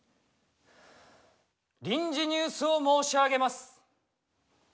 臨時ニュースを申し上げます。